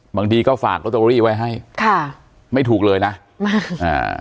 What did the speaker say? บางทีก็ฝากลอตเตอรี่ไว้ให้ค่ะไม่ถูกเลยนะมากอ่า